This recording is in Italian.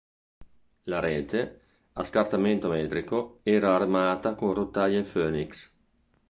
La rete, a scartamento metrico, era armata con rotaie Phoenix.